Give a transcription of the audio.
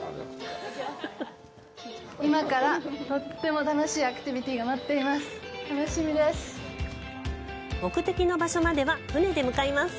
今から、とっても楽しいアクティビティが待っています。